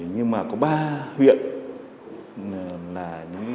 nhưng mà có ba huyện